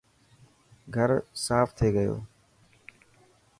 گهر صاف ٿي گيو.